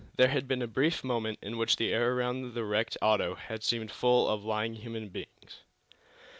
There had been a brief moment in which the air around the wrecked auto had seemed full of flying human beings.